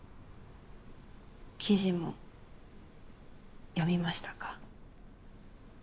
記事も読みましたか？